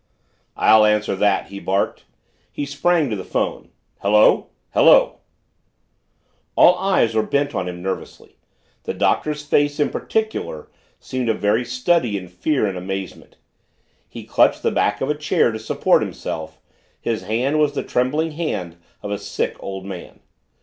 "I'll answer that!" he barked. He sprang to the phone. "Hello hello " All eyes were bent on him nervously the Doctor's face, in particular, seemed a very study in fear and amazement. He clutched the back of a chair to support himself, his hand was the trembling hand of a sick, old man.